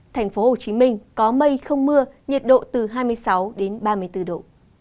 thành phố hồ chí minh có mây không mưa nhiệt độ từ hai mươi sáu đến ba mươi bốn độ